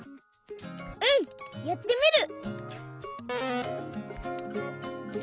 うんやってみる！